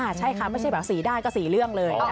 ใช่ค่ะไม่ใช่แบบ๔ด้านก็๔เรื่องเลย